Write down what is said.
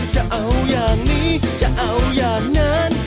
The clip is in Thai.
จะเอาอย่างนี้จะเอาอย่างนั้น